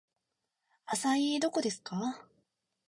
アサイーどこですか